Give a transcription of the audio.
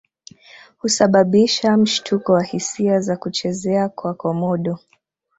Husababisha mshtuko wa hisia za kuchezea kwa Komodo